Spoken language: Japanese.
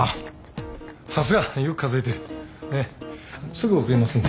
すぐ送りますんで。